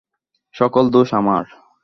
সকল দোষ আমার।